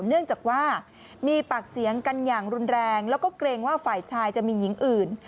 เนื่องจากว่ามีปากเสียงกันอย่างรุนแรงแล้วก็เกรงว่าฝ่ายชายจะมีหญิงอื่น